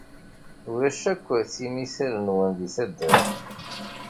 Ulac akk timital-nwen di taddart.